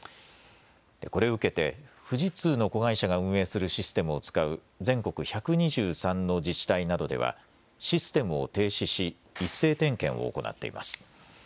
これを受けて富士通の子会社が運営するシステムを使う全国１２３の自治体などではシステムを停止し一斉点検を行っています。